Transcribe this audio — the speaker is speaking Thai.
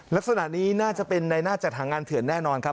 ลักษณะนี้น่าจะเป็นในหน้าจัดหางานเถื่อนแน่นอนครับ